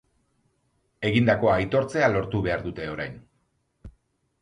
Egindakoa aitortzea lortu behar dute orain.